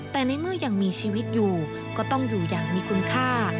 แต่ในเมื่อยังมีชีวิตอยู่ก็ต้องอยู่อย่างมีคุณค่า